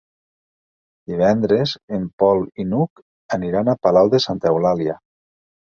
Divendres en Pol i n'Hug aniran a Palau de Santa Eulàlia.